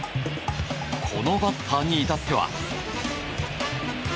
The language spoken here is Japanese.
このバッターに至っては。